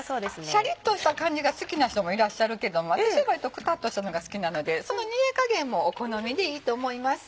シャリっとした感じが好きな人もいらっしゃるけど私意外とくたっとしたのが好きなのでその煮え加減もお好みでいいと思います。